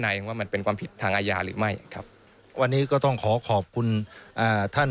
ในว่ามันเป็นความผิดทางอาญาหรือไม่ครับวันนี้ก็ต้องขอขอบคุณอ่าท่าน